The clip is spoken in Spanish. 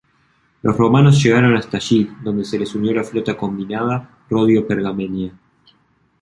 Los romanos llegaron hasta allí, donde se les unió la flota combinada rodio-pergamenea.